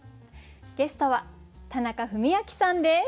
ゲストは田中史朗さんです。